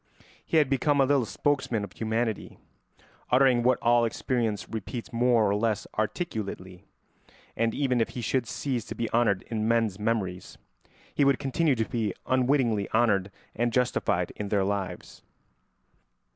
He had become a little spokesman of humanity, uttering what all experience repeats more or less articulately; and even if he should cease to be honoured in men's memories, he would continue to be unwittingly honoured and justified in their lives.